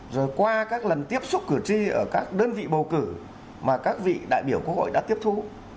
rồi qua các lần tiếp xúc cử tri ở các đơn vị bầu cử mà các vị đại biểu quốc hội đã tiếp thu